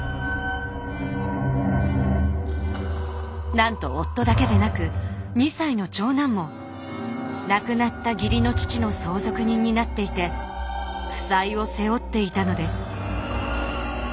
なんと夫だけでなく２歳の長男も亡くなった義理の父の相続人になっていて負債を背負っていたのです。